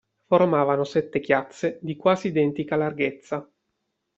Formavano sette chiazze di quasi identica larghezza.